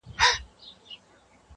د ژوند په څو لارو كي.